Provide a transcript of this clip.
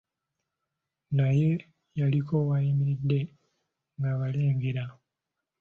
Naye yaliko w'ayimiridde ng'abalengera.